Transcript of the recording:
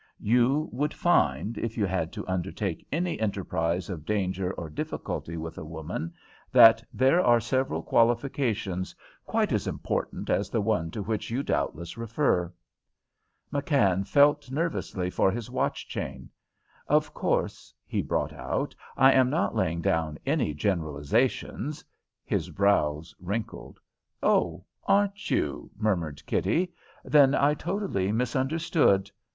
You would find, if you had to undertake any enterprise of danger or difficulty with a woman, that there are several qualifications quite as important as the one to which you doubtless refer." McKann felt nervously for his watch chain. "Of course," he brought out, "I am not laying down any generalizations " His brows wrinkled. "Oh, aren't you?" murmured Kitty. "Then I totally misunderstood.